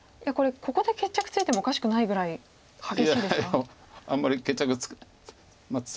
ここで決着ついてもおかしくないぐらい激しいですか。